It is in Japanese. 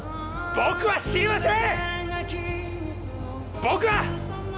僕は死にましぇん！